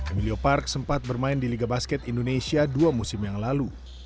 emilio park sempat bermain di liga basket indonesia dua musim yang lalu